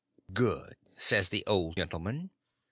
"Good!" says the old gentleman.